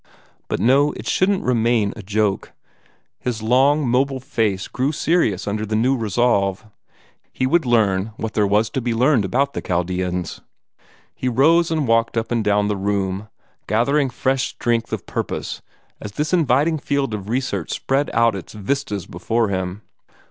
But, no, it shouldn't remain a joke! His long mobile face grew serious under the new resolve. He would learn what there was to be learned about the Chaldeans. He rose and walked up and down the room, gathering fresh strength of purpose as this inviting field of research spread out its vistas before him.